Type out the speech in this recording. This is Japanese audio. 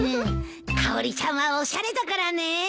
かおりちゃんはおしゃれだからね。